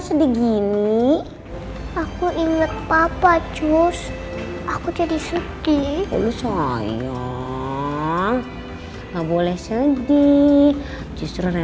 sampai jumpa di video selanjutnya